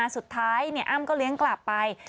สุดท้ายอ้ำก็เลี้ยงกลับไป